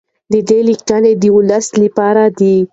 د ده لیکنې د ولس لپاره دي.